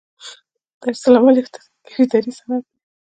طرزالعمل یو تخنیکي او اداري سند دی.